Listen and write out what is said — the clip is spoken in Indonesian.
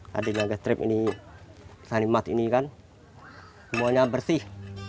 tadi gas trap ini sanimat ini kan semuanya bersih